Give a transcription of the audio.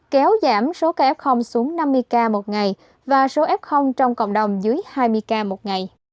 kéo giảm số kf xuống năm mươi k một ngày và số f trong cộng đồng dưới hai mươi k một ngày